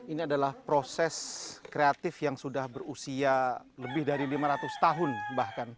ini adalah proses kreatif yang sudah berusia lebih dari lima ratus tahun bahkan